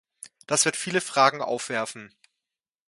Das wird viele Fragen aufwerfen.